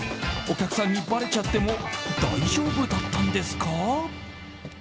お客さんにばれちゃっても大丈夫だったんですか？